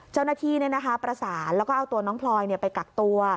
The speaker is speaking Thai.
เจ้าหน้าที่ประสานแล้วก็เอาตัวน้องพลอยไปกักตัว